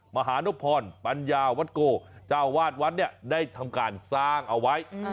มหานพรปัญญาวัตโกเจ้าวาดวัดเนี่ยได้ทำการสร้างเอาไว้